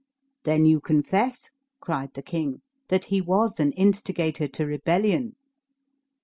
"Then you confess," cried the king, "that he was an instigator to rebellion?"